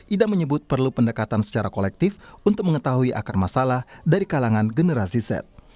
ida menyebut perlu pendekatan secara kolektif untuk mengetahui akar masalah dari kalangan generasi z